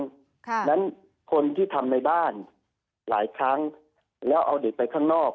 เพราะฉะนั้นคนที่ทำในบ้านหลายครั้งแล้วเอาเด็กไปข้างนอก